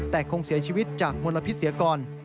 แต่คงเสียชีวิตจากมลพิษยากร